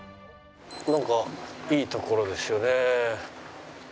なんかいい所ですよね。